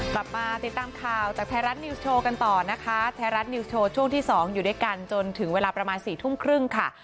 กลับมาติดตามข่าวจากไทยรัฐนิวส์โชว์กันต่อนะคะไทยรัฐนิวส์โชว์ช่วงที่สองอยู่ด้วยกันจนถึงเวลาประมาณสี่ทุ่มครึ่งค่ะ